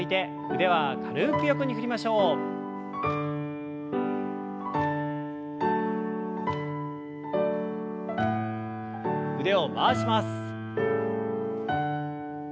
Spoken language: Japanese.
腕を回します。